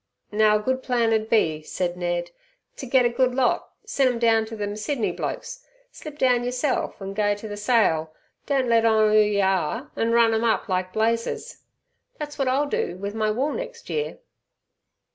"Now a good plan 'ed be," said Ned, "ter get a good lot, sen' 'em down ter them Sydney blokes. Slip down yerself, go ter ther sale, don't let on 'oo yer are, an' run 'em up like blazes. Thet's wot I'll do with my wool nex' year."